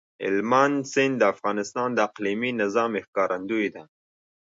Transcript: هلمند سیند د افغانستان د اقلیمي نظام ښکارندوی ده.